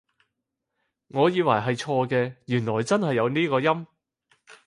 我以為係錯嘅，原來真係有呢個音？